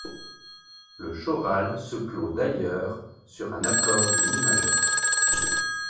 Le choral se clôt d'ailleurs sur un accord de mi majeur.